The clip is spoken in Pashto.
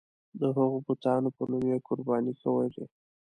د هغو بتانو په نوم یې قرباني کولې.